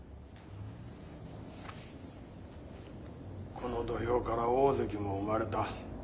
この土俵から大関も生まれた。